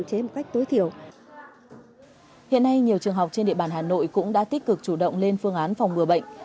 hiện nay nhiều trường học trên địa bàn hà nội cũng đã tích cực chủ động lên phương án phòng ngừa bệnh